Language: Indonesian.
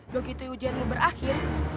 begitu ujianmu berakhir